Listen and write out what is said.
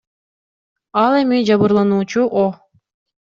Ал эми жабырлануучу О.